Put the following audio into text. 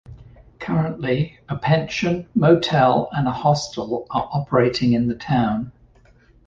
Currently, a pension, motel and a hostel are operating in the town.